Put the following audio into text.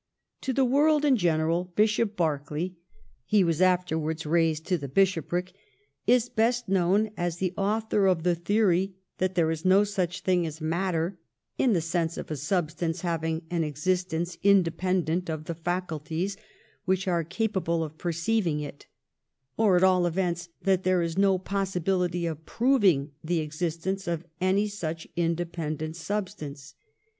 To the world in general Bishop Berkeley — he was afterwards raised to the bishopric — is best known as the author of the theory that there is no such thing as matter, in the sense of a substance having an existence independent of the faculties which are capable of perceiving it ; or, at aU events, that there is no possibility of proving the existence of any such independent substance.